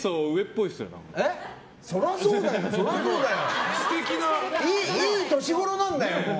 いい年頃なんだよ、もう！